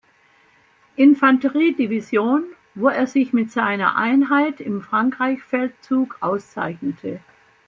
Infanterie-Division, wo er sich mit seiner Einheit im Frankreichfeldzug auszeichnete.